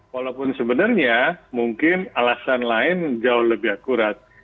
walaupun sebenarnya mungkin alasan lain jauh lebih akurat